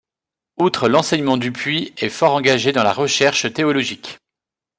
Outre l'enseignement Dupuis est fort engagé dans la recherche théologique.